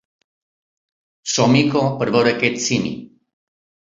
Somico per veure aquest simi.